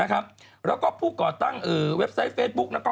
แล้วก็ผู้ก่อตั้งเว็บไซต์เฟซบุ๊ก